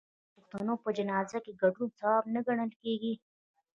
آیا د پښتنو په جنازه کې ګډون ثواب نه ګڼل کیږي؟